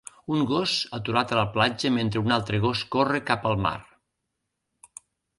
Un gos aturat a la platja mentre un altre gos corre cap al mar.